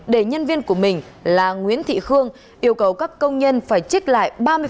để nhân viên của mình là nguyễn thị khương yêu cầu các công nhân phải trích lại